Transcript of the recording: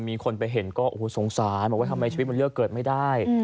มีคนไปเห็นก็โอ้โหสงสารบอกว่าทำไมชีวิตมันเลือกเกิดไม่ได้